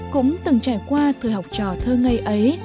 cũng từng trải qua thời học trò thơ ngây ấy